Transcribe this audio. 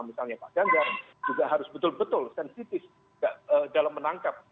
misalnya pak ganjar juga harus betul betul sensitif dalam menangkap